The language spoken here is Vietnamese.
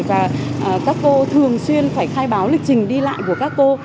và các cô thường xuyên phải khai báo lịch trình đi lại của các cô